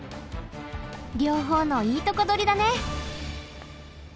両方のいいとこどりだね。